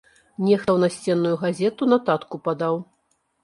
Нехта ў насценную газету нататку падаў.